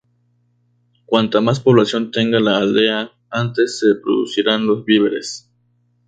Cuanta más población tenga la aldea, antes se producirán los víveres.